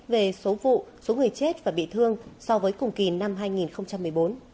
về số vụ số người chết và bị thương so với cùng kỳ năm hai nghìn một mươi bốn